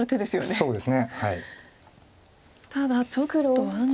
そうですね。